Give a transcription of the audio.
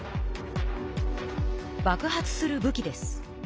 爆発する武器です。